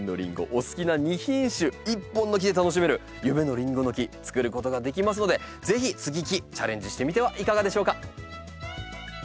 お好きな２品種１本の木で楽しめる夢のリンゴの木つくることができますのでぜひ接ぎ木チャレンジしてみてはいかがでしょうか？